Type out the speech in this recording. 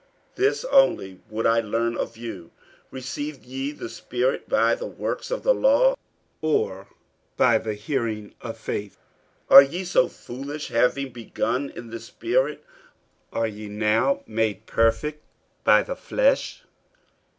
48:003:002 This only would I learn of you, Received ye the Spirit by the works of the law, or by the hearing of faith? 48:003:003 Are ye so foolish? having begun in the Spirit, are ye now made perfect by the flesh?